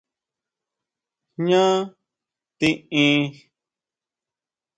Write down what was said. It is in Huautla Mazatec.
¿Jñá tiʼin?